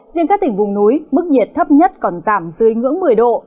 riêng các tỉnh vùng núi mức nhiệt thấp nhất còn giảm dưới ngưỡng một mươi độ